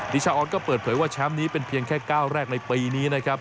ชาออนก็เปิดเผยว่าแชมป์นี้เป็นเพียงแค่ก้าวแรกในปีนี้นะครับ